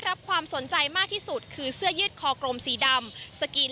รับความสนใจมากที่สุดคือเสื้อยืดคอกลมสีดำสกรีน